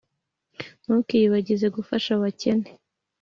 ntukiyibagize gufasha abakene